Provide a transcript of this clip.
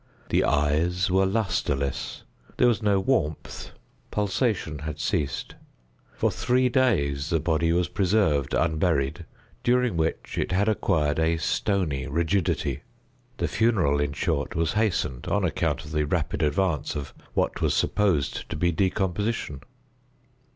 The eyes were lustreless. There was no warmth. Pulsation had ceased. For three days the body was preserved unburied, during which it had acquired a stony rigidity. The funeral, in short, was hastened, on account of the rapid advance of what was supposed to be decomposition.